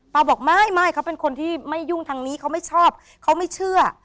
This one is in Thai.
บอกไม่ไม่เขาเป็นคนที่ไม่ยุ่งทางนี้เขาไม่ชอบเขาไม่เชื่อ